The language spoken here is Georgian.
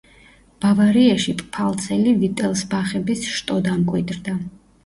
ბავარიაში პფალცელი ვიტელსბახების შტო დამკვიდრდა.